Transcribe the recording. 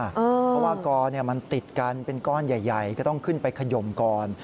เพราะว่ากอมันติดกันเป็นก้อนใหญ่ก็ต้องขึ้นไปขยมก่อน